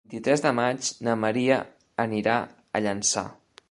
El vint-i-tres de maig na Maria anirà a Llançà.